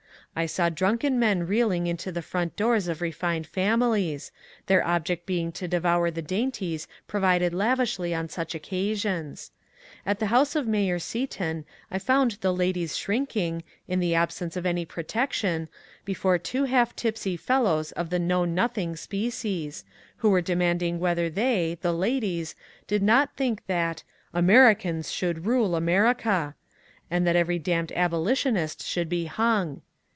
I saw drunken men reeling into the front doors of refined families, their object being to devour the dainties provided lavishly on such occasions. At the house of Mayor Seaton I found the ladies shrinking, in the absence 206 MONCTJEE DANIEL CONWAY of any protection, before two half tipsy fellows of the ^^ know nothing" species, who were demanding whether they (the ladies) did not think that ^^ Americans should rule America," and that every damned abolitionist should be hung."